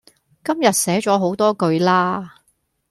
今日寫左好多句啦